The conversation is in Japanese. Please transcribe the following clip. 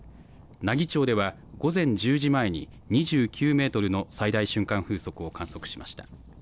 奈義町では午前１０時前に２９メートルの最大瞬間風速を観測しました。